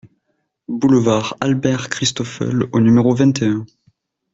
Boulevard Albert Christophle au numéro vingt et un